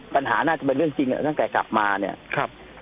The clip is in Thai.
ปัญหาน่าจะเป็นเรื่องจริงตั้งแต่กลับมาเนี่ยครับ